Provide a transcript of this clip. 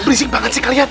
berisik banget sih kalian